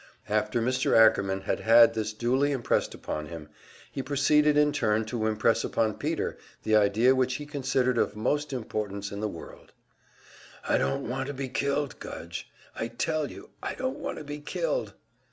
After Mr. Ackerman had had this duly impressed upon him, he proceeded in turn to impress upon Peter the idea which he considered of most importance in the world: "I don't want to be killed, Gudge, I tell you I don't want to be killed!"